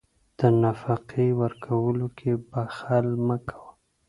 د نفقې ورکولو کې بخل مه کوه.